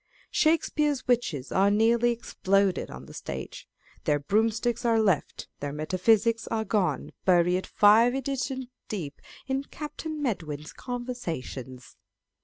Shakespeare's witches are nearly exploded on the stage. Their broom sticks are left; their metaphysics are gone, buried five editions deep in Captain Medwin's Conversations